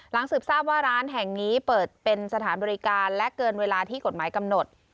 สืบทราบว่าร้านแห่งนี้เปิดเป็นสถานบริการและเกินเวลาที่กฎหมายกำหนด